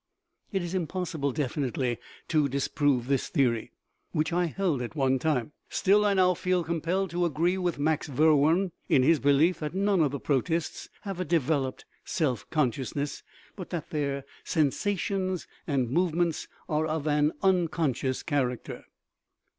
It is impossible definitively to disprove this theory, which I held at one time. Still, I now feel compelled to agree with Max Verworn, in his belief that none of the protists have a developed self consciousness, but that their sensations and movements are of an uncon scious character.